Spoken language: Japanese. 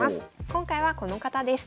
今回はこの方です。